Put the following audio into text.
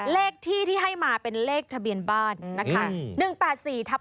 เลขที่ที่ให้มาเป็นเลขทะเบียนบ้านนะคะ